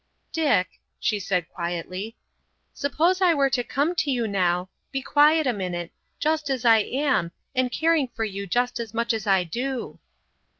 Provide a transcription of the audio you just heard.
"Dick," she said quietly, "suppose I were to come to you now,—be quiet a minute,—just as I am, and caring for you just as much as I do."